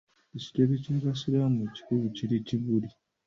Ekitebbe ky'abasiraamu ekikulu kiri Kibuli.